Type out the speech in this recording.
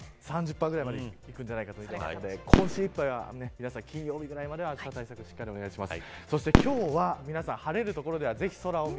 今週末３０％ぐらいまではいくんじゃないかということで今週いっぱい金曜日ぐらいまでは暑さ対策をお願いします。